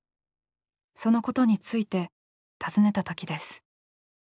そのことについて尋ねた時です。